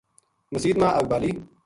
مسیت ما اَگ بالی